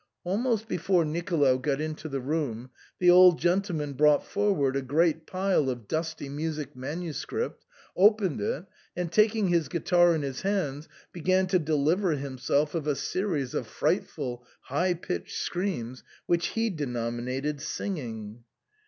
Almost before Nicolo got into the room, the old gentleman brought forward a great pile of dusty music manuscript, opened it, and, taking his guitar in his hands, began to deliver himself of a series of frightful high pitched screams which he denominated singing.